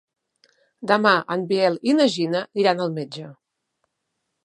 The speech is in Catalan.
Demà en Biel i na Gina iran al metge.